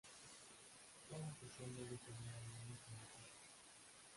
Cada sesión debe tener al menos una pista.